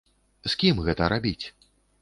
З кім гэта рабіць?